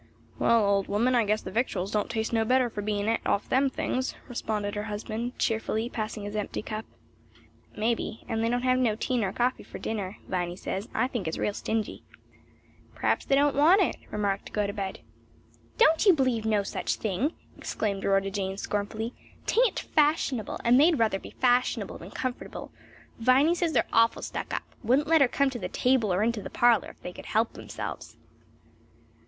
"Well, old woman, I guess the victuals don't taste no better for bein' eat off them things," responded her husband, cheerfully, passing his empty cup. "Maybe. And they don't have no tea nor coffee for dinner, Viny says. I think it's real stingy." "P'raps they don't want it," remarked Gotobed. "Don't you b'lieve no such thing!" exclaimed Rhoda Jane, scornfully, "'tain't fashionable; and they'd ruther be fashionable than comfortable. Viny says they're awful stuck up; wouldn't let her come to the table or into the parlor if they could help themselves.